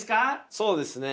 そうですね。